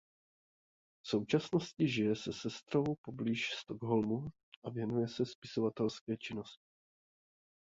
V současnosti žije se sestrou poblíž Stockholmu a věnuje se spisovatelské činnosti.